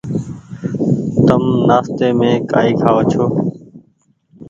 تم نآستي مين ڪآئي کآئو ڇو۔